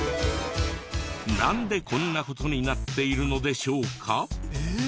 なんでこんな事になっているのでしょうか？